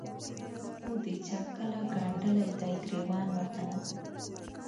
اوښکو د چا کله ګنډلی دی ګرېوان وطنه